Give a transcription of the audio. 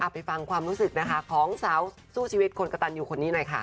ไปฟังความรู้สึกนะคะของสาวสู้ชีวิตคนกระตันอยู่คนนี้หน่อยค่ะ